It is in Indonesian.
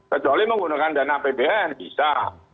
kecuali menggunakan dana apbn bisa